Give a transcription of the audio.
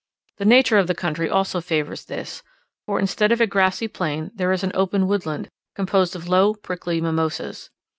The nature of the country also favours this, for instead of a grassy plain, there is an open woodland, composed of low prickly mimosas.